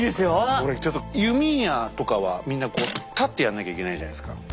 俺ちょっと弓矢とかはみんなこう立ってやんなきゃいけないじゃないですか。